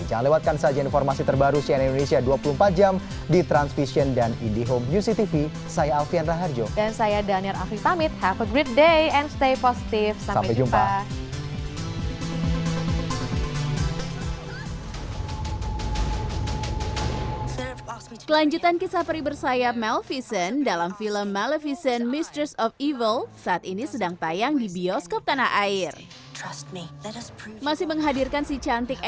jangan lewatkan saja informasi terbaru di channel indonesia dua puluh empat jam di transvision dan indihome uctv